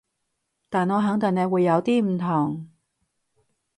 但我肯定你會有啲唔同